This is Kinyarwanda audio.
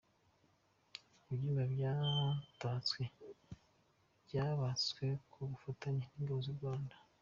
Ibyumba byatashywe byubatswe ku bufatanye n’ingabo z’u Rwanda.